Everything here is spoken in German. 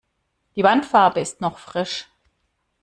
Die Wandfarbe ist noch frisch.